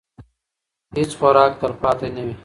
هیڅ خوراک تلپاتې نه وي.